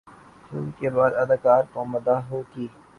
interview کے بعد اداکار کو مداحوں کی